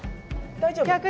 大丈夫。